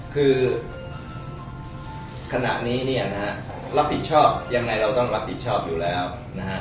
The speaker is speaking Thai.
คือขณะนี้เนี่ยนะฮะรับผิดชอบยังไงเราต้องรับผิดชอบอยู่แล้วนะฮะ